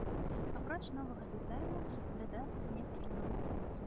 Апроч новага дызайну, дадасца некалькі новых функцый.